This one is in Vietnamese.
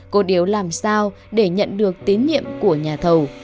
cô điếu làm sao để nhận được tín nhiệm của nhà thầu